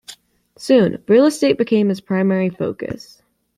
Soon, real-estate became his primary focus.